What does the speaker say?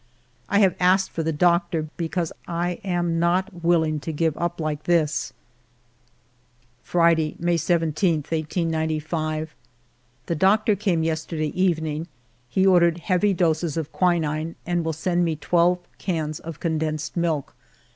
I have asked for the doctor, because I am not willing to give up like this. Friday, May 17, 1895. The doctor came yesterday evening. He ordered heavy doses of quinine, and will send ALFRED DREYFUS 135 me twelve cans of condensed milk.